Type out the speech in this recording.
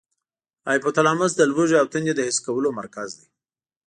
هایپو تلاموس د لوږې او تندې د حس کولو مرکز دی.